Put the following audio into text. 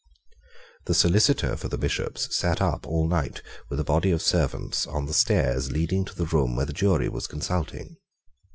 The solicitor for the Bishops sate up all night with a body of servants on the stairs leading to the room where the jury was, consulting.